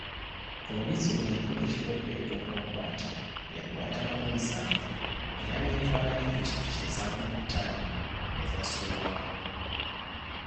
Poliisi bwe yakola ekikwekweto okubakwata, yakwatako nsanvu era n'etwala ne Ppikipiki nsanvu mu taano ezaasuulibwawo